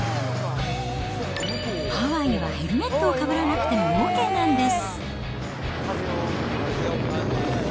ハワイはヘルメットをかぶらなくてもＯＫなんです。